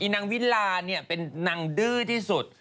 นางวิลาเป็นนางดื้อที่สุด